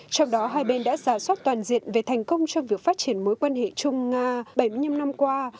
trong đó hai bên đã giả soát toàn diện về thành công trong việc phát triển mối quan hệ chung nga bảy mươi năm năm qua